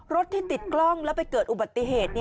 รถที่ติดกล้องแล้วไปเกิดอุบัติเหตุ